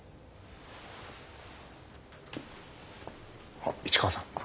あっ市川さん。